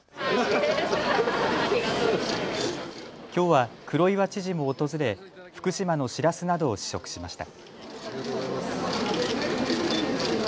きょうは黒岩知事も訪れ福島のシラスなどを試食しました。